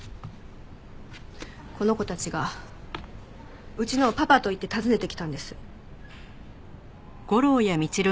この子たちがうちのをパパと言って訪ねてきたんです。